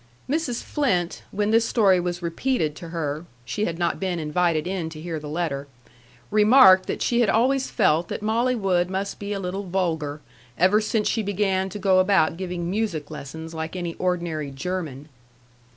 Mrs. Flynt, when this story was repeated to her (she had not been invited in to hear the letter), remarked that she had always felt that Molly Wood must be a little vulgar, ever since she began to go about giving music lessons like any ordinary German.